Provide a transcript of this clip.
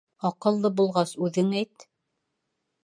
— Аҡыллы булғас, үҙең әйт.